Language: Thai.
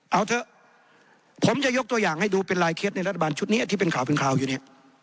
เอาเถอะผมจะยกตัวอย่างให้ดูเป็นรายเขตในรัฐบาลชุดแบบนี้ที่เป็นข่าวอยู่นี่